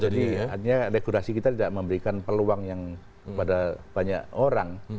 jadi artinya dekorasi kita tidak memberikan peluang yang kepada banyak orang